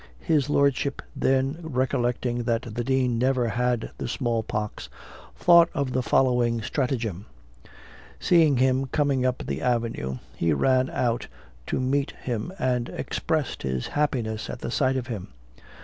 His lordship then recollecting that the dean never had the small pox, thought of the following stratagem. Seeing him coming up the avenue, he ran out to meet him, and expressed his happiness at the sight of him.